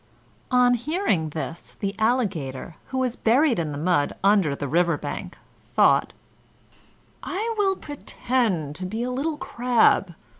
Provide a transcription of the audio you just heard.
On hearing this the Alligator, who was buried in the mud under the river bank, thought: "I will pretend to be a little crab."